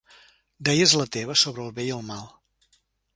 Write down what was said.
Deies la teva sobre el bé i el mal.